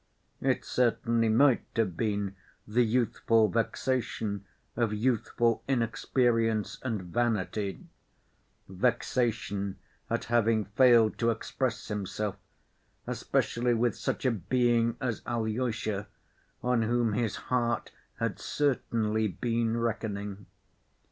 It certainly might have been the youthful vexation of youthful inexperience and vanity—vexation at having failed to express himself, especially with such a being as Alyosha, on whom his heart had certainly been reckoning.